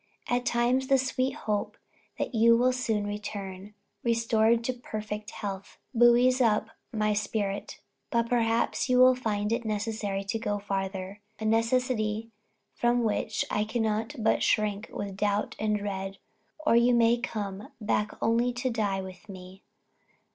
At times the sweet hope that you will soon return, restored to perfect health, buoys up my spirit, but perhaps you will find it necessary to go farther, a necessity from which I cannot but shrink with doubt and dread; or you may come back only to die with me.